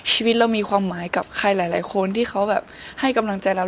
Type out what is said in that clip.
ชีวิตเรามีความหมายกับใครหลายคนที่เขาแบบให้กำลังใจเรา